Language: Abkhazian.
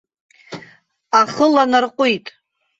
Ахы ланарҟәит.